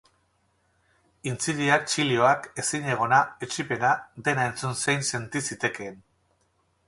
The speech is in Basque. Intziriak, txilioak, ezinegona, etsipena... dena entzun zein senti zitekeen.